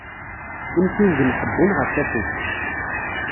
Imtiwgen ḥebbun ɣef tafukt.